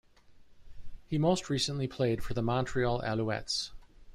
He most recently played for the Montreal Alouettes.